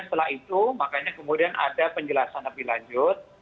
setelah itu makanya kemudian ada penjelasan lebih lanjut